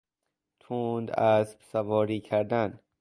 تند اسب سواری کردن